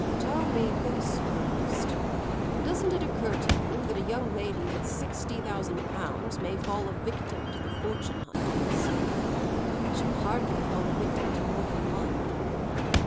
"Tell me this first. Doesn't it occur to you that a young lady with sixty thousand pounds may fall a victim to the fortune hunters?" "She'll hardly fall a victim to more than one."